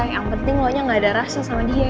yang penting kamu tidak ada rasa dengan dia